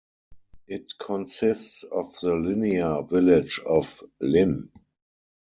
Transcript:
It consists of the linear village of Linn.